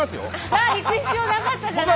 じゃあ行く必要なかったじゃないですか。